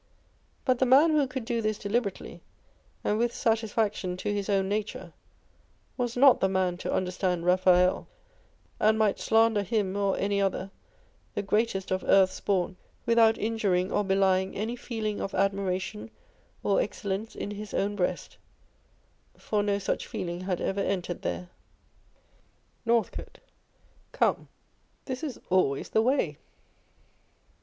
But the man who could do this deliberately, and with satisfaction to his own nature, was not the man to understand Raphael, and might slander him or any other, the greatest of earth's born, without injuring or belying any feeling of admiration or excellence in his own breast ; for no such feeling had ever entered there. Northcote. Come, this is always the way.